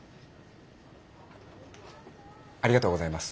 ありがとうございます。